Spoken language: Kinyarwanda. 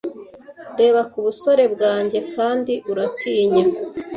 Reba ku busore bwanjye Kandi uratinya